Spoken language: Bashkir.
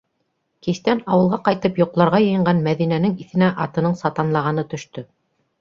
Кистән ауылға ҡайтып йоҡларға йыйынған Мәҙинәнең иҫенә атының сатанлағаны төштө.